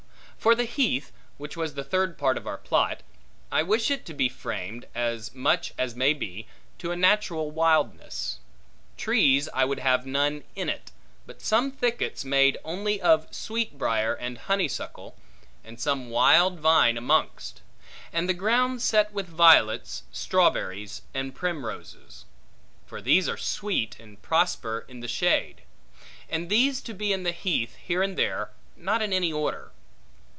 For the heath, which was the third part of our plot, I wish it to be framed, as much as may be, to a natural wildness. Trees I would have none in it, but some thickets made only of sweet briar and honeysuckle, and some wild vine amongst; and the ground set with violets, strawberries, and primroses. For these are sweet, and prosper in the shade. And these to be in the heath, here and there, not in any order.